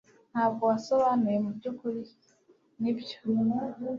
Ntabwo wasobanuye mubyukuri nibyo